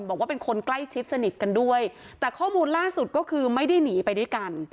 บอกว่าเป็นคนใกล้ชิดสนิทกันด้วยแต่ข้อมูลล่าสุดก็คือไม่ได้หนีไปด้วยกัน